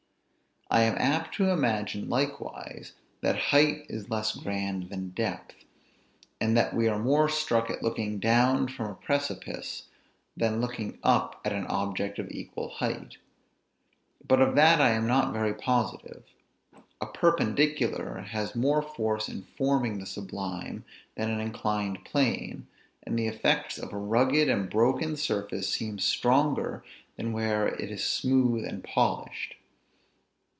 I am apt to imagine, likewise, that height is less grand than depth; and that we are more struck at looking down from a precipice, than looking up at an object of equal height; but of that I am not very positive. A perpendicular has more force in forming the sublime, than an inclined plane, and the effects of a rugged and broken surface seem stronger than where it is smooth and polished.